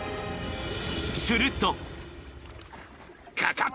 ［すると］